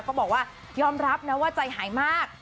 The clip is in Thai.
ก็บอกว่ายอมรับนะว่าใจหายมาก